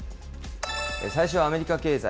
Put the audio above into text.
最初はアメリカ経済。